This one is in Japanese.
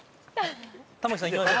玉木さんいきましょう。